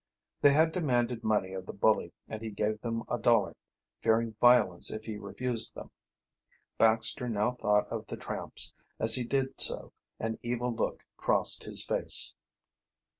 They had demanded money of the bully, and he gave them a dollar, fearing violence if he refused them. Baxter now thought of the tramps, and as he did so an evil look crossed his face.